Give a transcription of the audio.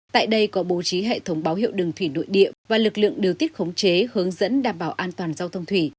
tại đây có bố trí hệ thống báo hiệu đường thủy nội địa và lực lượng điều tiết khống chế hướng dẫn đảm bảo an toàn giao thông thủy